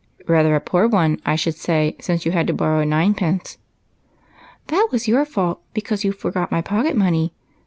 " Rather a poor one, I should say, since you had to borrow a ninepence." " That was your fault, because you forgot my pocket money.